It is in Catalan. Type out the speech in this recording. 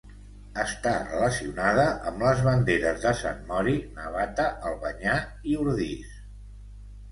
Està relacionada amb les banderes de Sant Mori, Navata, Albanyà i Ordis.